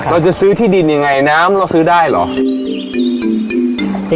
เราจะซื้อที่ดินยังไงน้ำเราซื้อได้เหรอ